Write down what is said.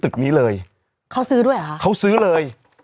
เขาซื้อเลย